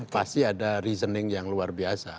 pasti ada reasoning yang luar biasa